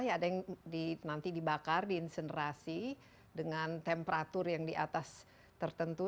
ada yang nanti dibakar diinsentrasi dengan temperatur yang di atas tertentu